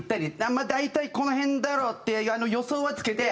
まあ大体この辺だろうって予想はつけてこうね。